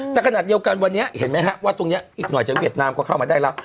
แต่ขนาดเดียวกันวันนี้เห็นไหมฮะว่าตรงนี้อีกหน่อยจากเวียดนามก็เข้ามาได้แล้ว